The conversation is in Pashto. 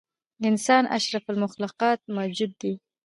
انسان اشرف المخلوق موجود دی.